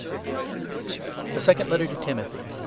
THE SECOND LETTER TO TIMOTHY.